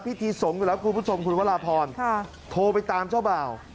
พิธีสงฆ์อยู่แล้วคุณผู้ชมคุณวราพรโทรไปตามเจ้าบ่าว